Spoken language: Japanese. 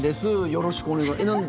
よろしくお願いします。